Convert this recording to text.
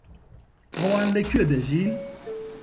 ئەوان لەکوێ دەژین؟